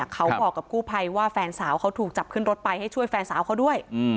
เขาบอกกับกู้ภัยว่าแฟนสาวเขาถูกจับขึ้นรถไปให้ช่วยแฟนสาวเขาด้วย